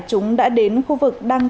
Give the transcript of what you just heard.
chúng đã đến khu vực đăng